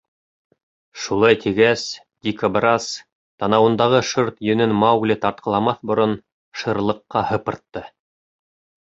— Шулай тигәс, дикобраз, танауындағы шырт йөнөн Маугли тартҡыламаҫ борон, шырлыҡҡа һыпыртты.